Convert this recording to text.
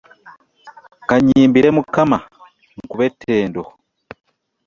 Ka nnyimbire Mukama nkube ettendo.